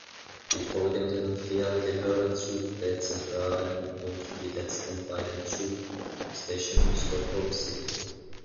Die folgenden vier gehören zu „T-Centralen“ und die letzten beiden zu „Station Stockholm City“.